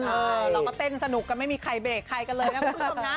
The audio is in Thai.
เราก็เต้นสนุกกันไม่มีใครเบรกใครกันเลยนะคุณผู้ชมนะ